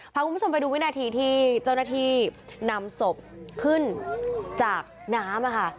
พาคุณผู้ชมไปดูวินาทีที่เจ้าหน้าที่นำศพขึ้นจากน้ำ